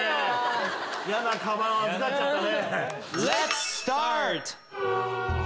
嫌なカバン預かっちゃったね。